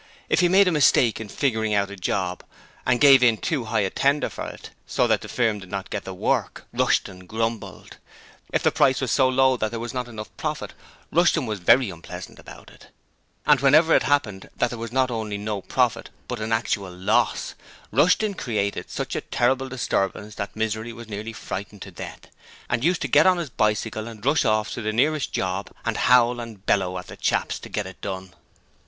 If he made a mistake in figuring out a 'job', and gave in too high a tender for it, so that the firm did not get the work, Rushton grumbled. If the price was so low that there was not enough profit, Rushton was very unpleasant about it, and whenever it happened that there was not only no profit but an actual loss, Rushton created such a terrible disturbance that Misery was nearly frightened to death and used to get on his bicycle and rush off to the nearest 'job' and howl and bellow at the 'chaps' to get it done.